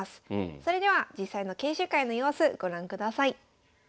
それでは実際の研修会の様子ご覧ください。